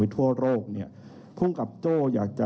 มีการตบทรัพย์ซ้อนตบทรัพย์เนี่ยตรงนี้ข้อที่จริงเป็นยังไงครับ